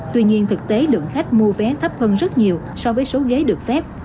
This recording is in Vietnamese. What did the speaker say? tuy nhiên thực tế lượng khách mua vé thấp hơn rất nhiều so với số ghế được phép